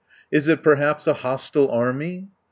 Is it perhaps a hostile army?"